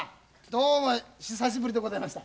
どうも久しぶりでございました。